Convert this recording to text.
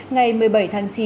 ngày một mươi bảy tháng chín